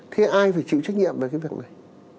thế ai phải chịu trách nhiệm về cái việc này